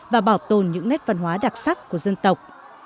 và bảo tồn những nét văn hóa đặc sắc của dân tộc